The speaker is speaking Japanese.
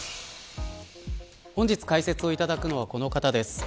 本日解説をいただくのはこの方です。